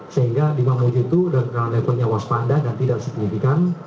sehingga di memujuk itu dalam levelnya awas pandang dan tidak signifikan